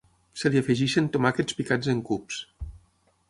Se li afegeixen tomàquets picats en cubs.